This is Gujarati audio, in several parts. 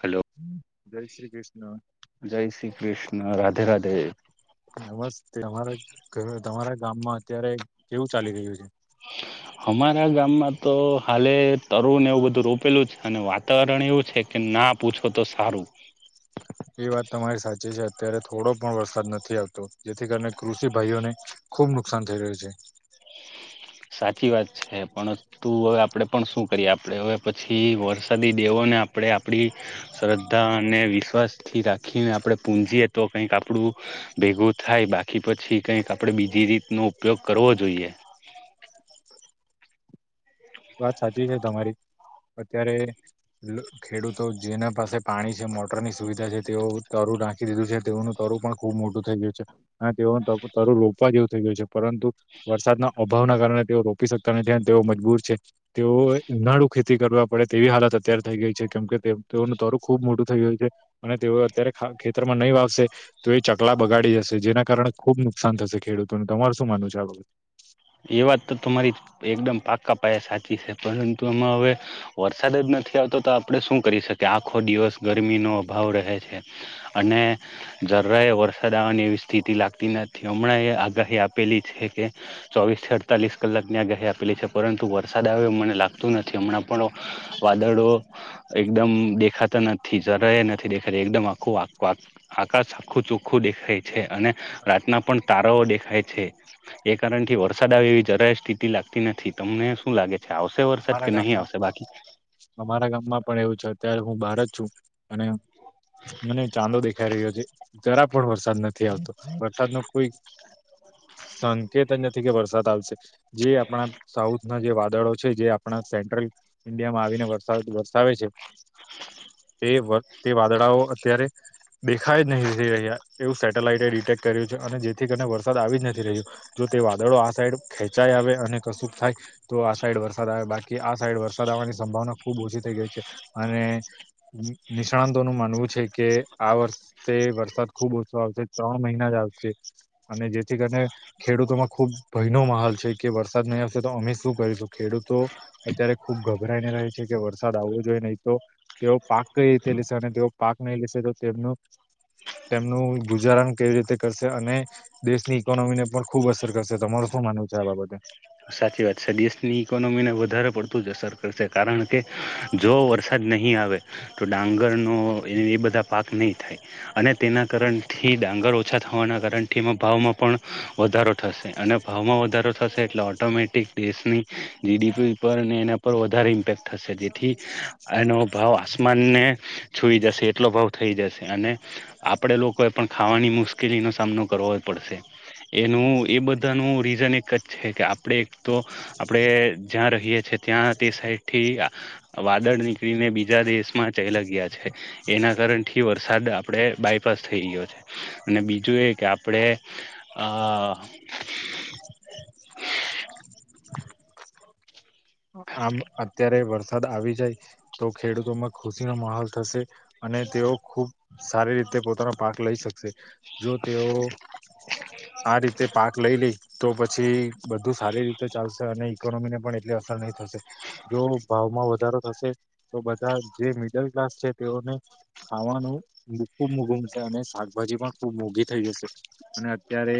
હલો જય શ્રી કૃષ્ણ જય શ્રી કૃષ્ણ રાધે રાધે. [unintelligible] તમારા તમારા ગામમાં અત્યારે કેવું ચાલી રહ્યું છે. અમારા ગામ માં તો હાલે તરુ ને એવું બધું રોપેલું છે, અને વાતાવરણ એવું છે, કે ના પૂછો તો સારું. [inaudible] એ વાત તમારી સાચી છે, અત્યારે થોડો પણ વરસાદ નથી આવતો જેથી કરીને કૃષિ ભાઈઓને. ખુબ નુકસાન થઈ રહ્યું છે. સાચી વાત છે, પણ તું હવે આપડે પણ શું કરીએ આપડે હવે પછી વરસાદી દેવ અને આપણે આપણી શ્રદ્ધા અને વિશ્વાસથી રાખીને આપણે પૂંજીએ તો કંઈક આપણું. ભેગું થાય બાકી પછી કઈક આપડે બીજી [unintelligible] ઉપયોગ કરવો જોઈએ. [inaudible] વાત સાચી છે, તમારી. અત્યારે ખેડૂતો જેના પાસે પાણી છે, મોટરની સુવિધા છે, તેઓ [unintelligible] ઢાખકી દીધું છે, તેઓનું તરું પણ ખુબ મોટું થઈ ગયું છે, અને તેઓ તરું રોપવા જેવું થઈ ગયું છે, પરંતુ વરસાદના અભાવના કારણે તેઓ રોપી શકતા નથી અને તેઓ મજબૂર છે. તેઓ [unintelligible] ખેતી કરવા પડે તેવી હાલત [unintelligible] થઈ ગઈ છે, કેમ કે તેઓનું તરું ખુબ મોટું થઈ [unintelligible] અને તેઓ અત્યારે ખેતરમાં નહીં વાશે તો એ ચકલા બગાડી જશે જેના કારણે ખુબ [unintelligible] [unintelligible] થશે ખેડૂતોને તમાર શું માનવું છે, [unintelligible] એ વાત તો તમારી એકદમ [unintelligible] પાયા સાચી છે, પરંતુ એમાં હવે વરસાદ જ નથી આવતો તો આપણે શું કરી શકીએ આખો દિવસ ગરમીનોો અભાવ રહે છે, અને [unintelligible] વરસાદ આવવાની એવી સ્થિતિ લાગતી નથી હમણાં એ આગાહી આપેલી છે, કે ચોવીસથી અડતાલીસ કલાકની આગાહી આપેલી છે, પરંતુ વરસાદ [unintelligible] મને લાગતું નથી [unintelligible] પણ. વાદળો એકદમ દેખાતા નથી જરા નથી દેખાતી એકદમ આખું આ આખું ચોખ્ખું દેખાય છે, અને રાતના પણ તારાઓ દેખાય છે, એ કારણે. થી વરસાદ આવે એવી જરાય સ્થિતિ લાગતી નથી તમને શું લાગે. આવશે વરસાદ કે અમારા નહી ગામમાં આવશે બાકી. ત્યારે હું બહાર જ છું, અને મને ચાંદો દેખાઈ રહ્યો છે. [unintelligible] પણ વરસાદ નથી આવતો વરસાદ ન કોઈ. સંકેત નથી કે વરસાદ આવશે જે આપણા સાઉથ ના જે વાદળો છે, જે પણ સેન્ટ્રલ ઇન્ડિયામાં આવીને વરસાદ વરસાવે છે, તે તે વાદળાઓ અત્યારે દેખાય જ નહી થઈ રહ્યા. એવું સેટેલાઈટે ડિટેક્ટ કર્યું છે અને જેથી કરીને વરસાદ આવી જ નથી રહ્યો જો તે વાદળો આ સાઈડ ખેંચાય આવે અને કશું થાય તો આ સાઈડ વર સાદ આવે બાકી આ સાઈડ વરસાદ આવવાની સંભાવના ખુબ ઓછી થઈ ગઈ છે. અને નિષ્ણાતો ન માનવું છે કે આ વર્ષે વરસાદ ખુબ ઓછો આવશે ત્રણ મહિના જ આવશે. અને જેથી કરીને ખેડૂતોમાં ખુબ ભય ન માહોલ છે કે વરસાદ નહીં આવશે તો અમે શું કરીશું ખેડૂત તો અત્યારે ખુબ ગભરાઈને રહે છે કે વરસાદ આવવો જોઈએ નહી તો તેઓ પાક કઈ રીતે લ તે પાક નહી લેશે તોનું તેમનું ગુજારણ કેવી રીતે કરશે અને દેશની ઇકોનોમી ને પણ ખુબ અસર કરશે, તમારું શું માનવું છે આ બાબતે. સાચી વાત છે દેશની ઈકોનોમીને વધારે પડતું જ અસર કરશે કારણ કે જો વરસાદ નહીં આવે. તો ડાંગર નો એ એ બધ બધા પાક નહી થાય અને તેના કારણથી ડાંગર ઓછા થવાના કારણથી એમાં ભાવમાં પણ વધારો થશે અને ભાવમાં વધારો થશે. એટલે ઓટોમેટિક દેશની જીડીપી પર એના પર વધારે ઇમ્પેક્ટ થશે જેથી એનો ભાવ આસમાનને છોઈ જશે. આટલો ભાવ થઈ જશે અને આપડે લોકોએ પણ ખાવાની મુશ્કેલીનોો સામનો કરવો જ પડશે. એનું એ બધાનું રીઝન એક જ છે કે આપડે એક તો આપડે જ્યાં રહીએ. ત્યાં તે સાઈડ થી વાદળ નીકળીને બીજા દેશમાં ચલા ગયા છે એ ના કારથી વરસાદ આપણે બાયપાસ થઈ ગયો છે અને બીજું એ કે આપણે હા. [unintelligible] આમ અત્યારે વરસાદ આવી જાય તો ખેડૂતોમાં ખુશીનો માહોલ થશે. અને તેઓ ખુબ સારી રીતે પોતાનો પાક લઈ શકશે. જો તેઓ આ રીતે પાક લઈ લે તો પછી બધ ધુ સારી રીતે ચાલશે અને ઇકોનોમીને પણ નહી થશે જો ભાવમાં વધારો થશે તો બધા જે મિડલ છે તેઓને ખાવાનું ખુબ મોઘું મળશે અને શાકભાજી પણ ખુબ મોઘી થઈ જશે. અને અત્યારે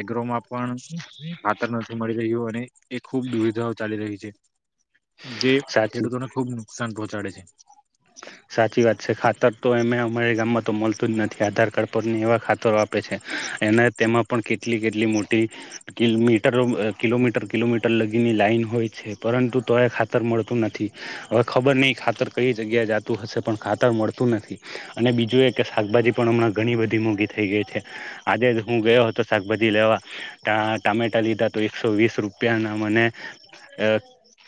એગ્રોમાં પણ ખાતર નથી મળી રહ્યું અને એ ખુબ દુવિધા ચાલી રહી છે જે સાચ ખેડૂતોને ખુબ નુકસાન પહોંચાડે છે. સાચી વાત છે ખાતર તો એમે અમારા ગામમાં તો મળતું જ નથી આધાર કાર્ડ પર એવા ખાતરો આપે છે. એના તેમાં પણ કેટલી કેટલી મોટી મીટરો કિલોમીટર કિલોમીટર લગીની લા ઈન હોય છે, પરંતુ તો એ ખાતર મળતું નથી હવે ખબર નહી ખાતર ક જગ્યા જતું હશે પણ ખાતર મળતું નથી, અને બીજું એ કે શાકભાજી પણ હમણાં ઘણી બધી મોંઘી થઈ ગઈ. છે આજે જ હું ગયો હતો શાકભાજી લેવા ટામેટા લીધા તો એકસો વીસ રૂપિયા ને મને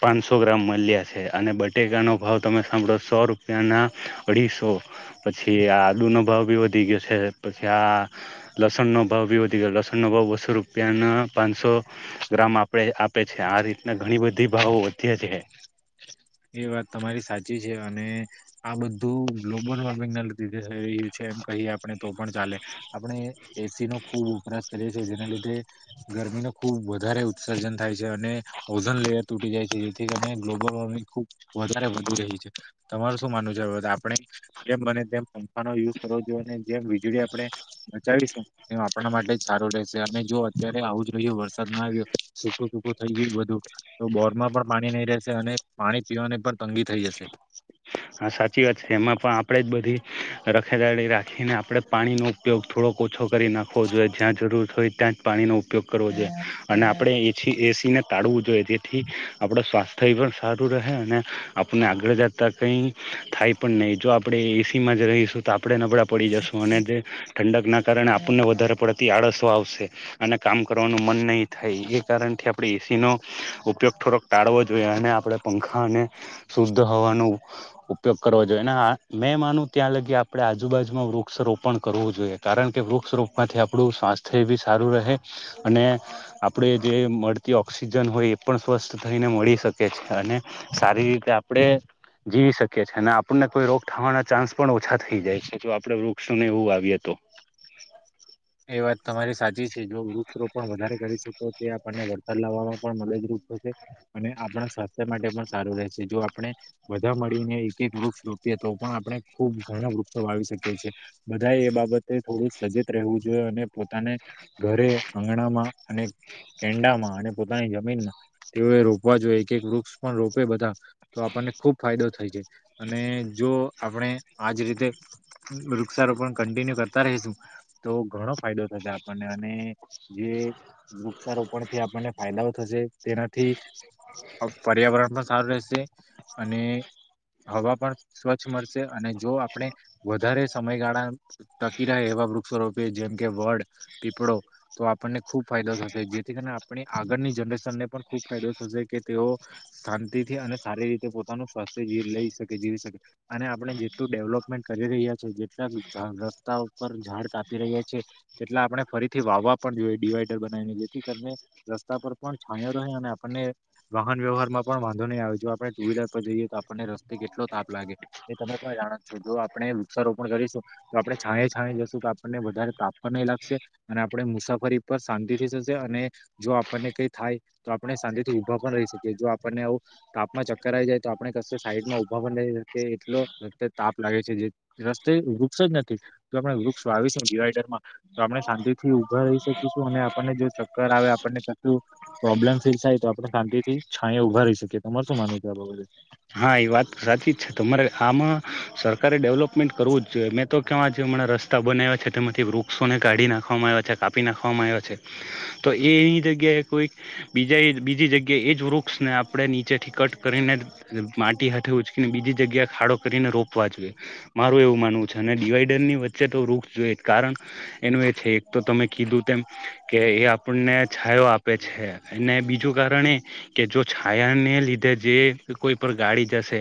પાંચસો ગ્રામ મળ્યા છે, અને બટેકા નો ભાવ તમે સાંભળો સો રૂપિયાના અઢીસો પછી, આ આદુનો ભાવ બી વધી ગયો છે પછી આ લસણનો ભાવ બી વધી ગયો લસણનો ભાવ બસો રૂપિયાના પાંચસો ગ્રામ આપણે આ આપે છે આ રીતના ઘણી બધી ભાવો વધ્યા છે. [unintelligible] એ વાત તમારી સાચી છે, અને આ બધું ગ્લોબલ વોર્મિંગ ના લીધે થઈ રહ્યું છે. એ કહીએ આપણે તો પણ ચાલે આપણે એસી નો ખૂબ ઉપરાસ કરીએ છીએ જેના લીધે ગર ખુબ વધારે ઉત્સર્જન થાય છે અને ઓઝન લેયર તૂટી જાય છે જેથી કરી ગ્લોબલ વોર્મિંગ ખુબ વધારે વધી રહી છે તમાર શું માન છે આપણે જેમ મનેા યુઝ ને જેમ વીજળી આપણે બચાવીશું તેમ આપણા માટે જ સારું રહેશે. મે જો અત્યારે આવું જ રહ્યું વર્ષ આવ્યો સૂખું સૂકું થઈ ગયું બધું તો બોર માં પણ પાણી નહી રહેશે અને પાણી પીવાની પણ તંગી થઈ જશે. હા સાચી વાત છે એમાં પણ આપણેે જ બધી રખેદાળી રાખીને આપડે પાણીનો ઉપયોગ થોડોક ઓછો કરી નાખવો જોઈએ, જ્યાં જરૂર હોય ત્યાં જ પાણીનો ઉપયોગ કરવો જોઈએ અને આપણે એ એસી ને તાળવું જોઈએ જેથી આપડ સ્વાસ્થ્ય એ પણ સારું રહે અને આપને આગળ જા તા કઈ થાય પણ નહી જો આપડણે એસીમાં જ રહીશું તો કપડે નબળા પડી જશો અને તે ઠંડક ના કારણે આપણને વધારે પડતી આળસો આવશે અને કામ કરવાનું મન નહીં થાય એ કારણથી આપણે નો ઉપયોગ થોડોક ટાળવો જોઈએ અને આપણે પંખાને શુદ્ધ હોવાનો ઉપયોગ કરવા જોઈએ અને મેં માનું ત્યાં લગી આડે આજુબાજુમાં વૃક્ષ રોપણ કરવું જોઈએ કારણ કે વૃક્ષ રોપમાંથી આપણું સ્વાસ્થ્ય એ બી સારું રહે અને આપડે જે મળતી ઓક્સિજન હોય એ પણ સ્વસ્થ થઈને મળી શકે છે અને સારી રીતે આપડે જીવી શકીએ છે અને આપણને કોઈ રોગ થવાના ચાન્સ પણ ઓછા થઈ જાય છે જો આપડે વૃક્ષોને એવું આવીએ તો [inaudible] વાત તમારી સાચી છે જો વૃક્ષરોપણ પણ વધારે કરીશું તો તે આપણને વરસાદ લાવવામાં પણ મદદરૂપ થશે અને આપણા સ્વાસ્થ્ય માટે પણ સારું રહેશે જો આપણે વધા મળીને એક એક વૃક્ષ રૂપીએ તો પણ આપણે ખુબ ભનક વૃક્ષો વાવી શકીએ છીએ બધા એ બાબતે થોડું સજેત રહેવું જો અને પોતાને ઘરે આંગણામાં અને કેંડામાં અને પોતાની જમીન મા તેઓએ રોપવા જોઈએ એક એક વૃક્ષ પણ રોપે બધા તો આપણને ખુબ ફાયદો થાય છે અને જો આપણે આજ રીતે વૃક્ષારોપણ કન્ટિન્યુ કરતા રેશું તો ઘણો ફાયદો થશે આપણને અને જે વૃક્ષક્ષારોપણથી આપણને ફાયદાઓ થશે તેનાથી પર્યાવરણ પણ સારું રહેશે અને હવા પણ સ્વચ્છ મળશે અને જો આપડે વધારે સમયગાળા ટકી રહે એવા વૃ વૃક્ષો રોપીએ જેમ કે વડ, પીપળો તો આપણને ખૂબ ફાયદો થશે જેથી કરીને આપણી આગળની જ નરેશન પણ ખુબ ફાયદો થશે કે તેઓ શાંતિથી અને સારી રીતે પોતાનું સ્વાસ્થ્ય જીવ લઈ શકે જીવી શકે અને આપણે જે જેટલું ડેવલપમેન્ટ કરી રહ્યા છે જેટલા રસ્તા ઉપર ઝાડ કાપી રહ્યા છે એટલે આપણે ફરીથી વાવવા પણ જોઈએ ડિવાઈડર બનાવીને જેથી કરીને રસ્તા પર પણ છાંયો રહે અને આપણને વાહન વ્યવહાર માં પણ વાંધો નહીં આવે જો આપણે ટુ વ્હીલર પર જઈએ તો આપણને રસ્તે કેટલો તાપ લાગે તમે પણ જાણો છો જો આપણે વૃક્ષારોપણ કરીશું તો આપડણે છાંયે છાંયે જશું કે વધારે તાપ પણ નહી લાગશે અને આપણે મુસાફરી પર શાંતિ થશે અને જો આપણને કઈ થાય તો આપણે શાંતિથી ઉભા પણ રહી શકીએ જો આપણને તાપમાં ચક્કર આવી જાય તો આપણે કસે સાઈડ માં ઉભા [unintelligible] તાપ લાગે છે જે રસ્તે વૃક્ષ જ નથી તો આપણે વૃક્ષ વાવીશું ડિવાઈડર માં તો આપણે શાંતિ થી ઉભા રહી શકીશું અને આપણને જો ચક્કર આવે આપણને ચકું પ્રોબ્લેમ ફેસ થાય તો આપણે શાંતિ થી છાંયા ઊભા રહી શકીએ તમારું શું માનવું છે આ બાબતે હા એ વાત સાચી જ છે તમારે આમાં સરકારે ડેવલપમેન્ટ કરવું જ જોઈએ મેં તો કેવા જે હમણાં રસ્તા બનાવ્યા છે તેમાંથી વૃક્ષો ને કાઢી નાખવામાં આવ્યા છે કાપી નાખવામાં આવ્યા છે તો એ એની જગ્યાએ કોઈક બીજા બીજી જગ્યાએ એ જ વૃક્ષને આપડણે નીચેથી કટ કરીને માટી હાથે ઉચકીને બીજી જગ્યા ખાડો કરીને રોપવા જોઈએ મારું એવું માનવું છે અને ડિવાઈડર ની વચ્ચે તો વૃક્ષ જોઈ કારણ એનું એ છે એક તો તમે કીધું તેમ કે એ આપણને છાયો આપે છે અને બીજું કારણ એ કે જો છાયાને લીધે જે કોઈ પણ ગાડી જશે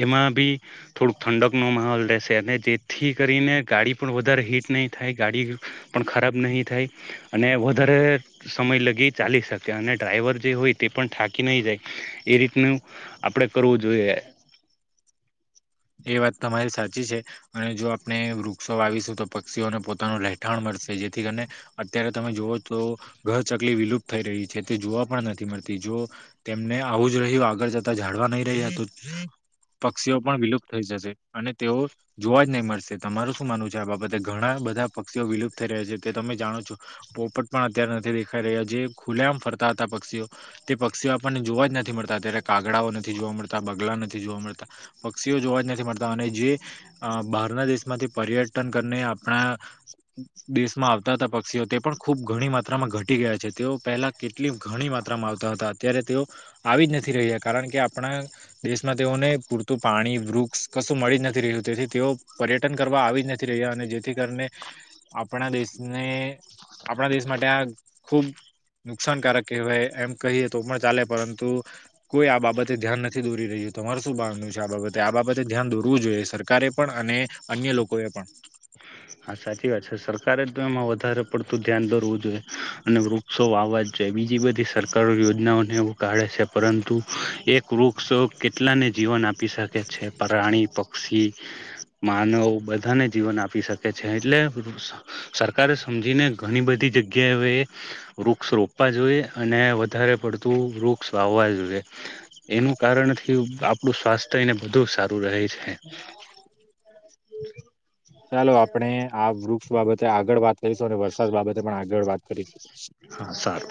એમાં બી થોડુંક ઠંડકનો માહોલ રહેશે અને જેથી કરીને ગાડી પણ વધારે હીટ નહીં થાય ગાડી પણ ખરાબ નહીં થાય અને વધારે સમય લગી ચાલી શકે અને ડ્રાઈવર જે હોય તે પણ થાકી નહી જાય એ રીતનું આપડે કરવું જોઈએ એ વાત તમારી સાચી છે અને જો આપણે વૃક્ષો વાવીશું તો પક્ષીઓને પોતાનું રહેઠાણ મળ શે જેથી કરીને અત્યારે તમે જુવો તો ઘર કેટલી વિલુપત થઈ રહી છે તે જોવા પણ નથી મળતી જો તેમને આવું જ રહ્યું આગળ જતા જાળવા નહી રહે પક્ષીઓ પણ વિલુપ્ત થઈ જશે અને તેઓ જોવા જ નહીં મળશે તમારું શું માનવું છે આ બાબતે ઘણા બધા પક્ષીઓ વિલુપ્ત થ રહ્યા છે તે તમે જાણો છો પોપટ પણ અત્યારે નથી દેખાઈ રહ્યા જે ખુલે આમ ફરતા હતા પક્ષીઓ તે પક્ષીઓ આપણને જોવા જ નથી મળતા અત્યારે કાગડાઓ નથી જોવા મળતા બગલા નથી જોવા મળતા પી તીઓ જોવા જ નથી મળતા અને જે અ બહારના દેશમાંથી પર્યટન કરીને આપણા દેશમાં આવતા હતા પક્ષીઓ તે પણ ખુબ ઘણી માત્રામાં ઘટી ગયા છે તેઓ પહેલા કેટલી ઘણી મા ત્રામાં આવતા હતા અત્યારે તેઓ આવી જ નથી રહ્યા કારણ કે આપણા દેશમાં તેઓને પૂરત પાણી વૃક્ષ કશું મળી જ નથી રહ્યું તેથી તેઓ પર્યટન કરવા આવી જ નથી રહ્યા અને જેથી કરીને આપણા દેશને આપણા દેશ માટે આ ખુબ નુકસાનકારક કહેવાય એમ કહીએ તો પણ ચાલે પરંતુ કોઈ આ બાબતે ધ્યાન નથી દોરી રહ્યું. તમારું શું બારનુ છે આ બાબતે આ બાબતે ધ્યાન દોરવું જોઈએ સરકારે પણ અને અન્ય લોકો એ પણ. હા સાચી વાત છે સરકારે તો એમાં વધારે પડતું ધ્યાન દોરવું જોઈએ અને વૃક્ષો વાવા જોઈ બીજી બધી સરકારો યોજનાઓને એવું કાઢે છે પરંતુ એક વૃક્ષ કેટલાને જીવન ન આપી શકે છે પ્રાણી પક્ષી માનવ બધાને જીવન આપી શક. કે છે એટલે સરકારે સમજીને ઘણી બધી જગ્યા એ વૃક્ષ રોપ પવા જોઈએ અને વધારે પડતું વૃક્ષ વાવવા જોઈએ એનું કારણથી પડું સ્વાસ્થ્ય એને બધું સારું રહે છે. [inaudible] [inaudible] ચાલો આપણે આ વૃક્ષ બાબતે આગળ વાત કરીશું અને વરસાદ બાબતે પણ આગળ વાત કરીશું. હા સારુ